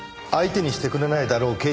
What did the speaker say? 相手にしてくれないだろう